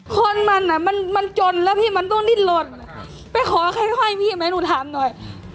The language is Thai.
คนมันอ่ะมันมันจนแล้วพี่มันต้องดิ้นหล่นไปขอค่อยพี่ไหมหนูถามหน่อย